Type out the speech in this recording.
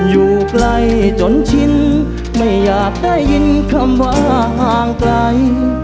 อยู่ไกลจนชินไม่อยากได้ยินคำว่าห่างไกล